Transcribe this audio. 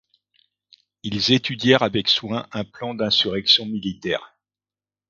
Ils étudièrent avec soin un plan d'insurrection militaire.